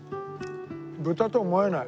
豚とは思えない。